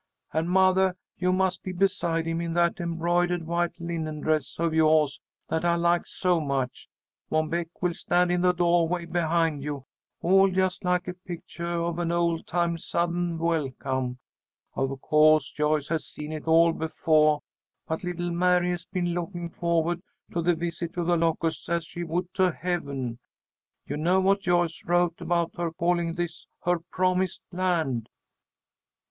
And mothah, you must be beside him in that embroidered white linen dress of yoahs that I like so much. Mom Beck will stand in the doahway behind you all just like a pictuah of an old time South'n welcome. Of co'se Joyce has seen it all befoah, but little Mary has been looking foh'wa'd to this visit to The Locusts as she would to heaven. You know what Joyce wrote about her calling this her promised land."